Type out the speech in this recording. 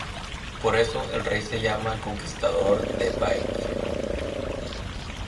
Por eso, el rey se llama el conquistador de Baekje.